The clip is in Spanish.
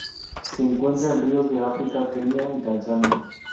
Se encuentran en ríos de África:Kenia y Tanzania.